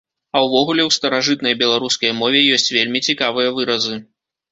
А ўвогуле ў старажытнай беларускай мове ёсць вельмі цікавыя выразы.